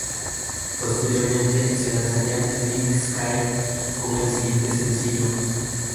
Posteriormente, se lanzaría The Night Sky como el siguiente sencillo.